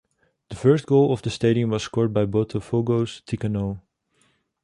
The first goal of the stadium was scored by Botafogo's Tiquinho.